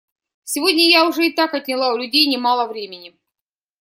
Сегодня я уже и так отняла у людей немало времени.